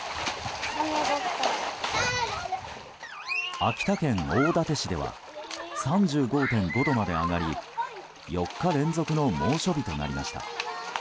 秋田県大館市では３５．５度まで上がり４日連続の猛暑日となりました。